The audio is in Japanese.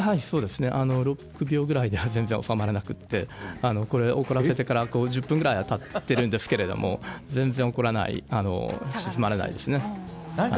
そうですね６秒ぐらいでは全然収まらなくて怒らせてから１０分ぐらいはたっているんですけど全然、鎮まらないですね。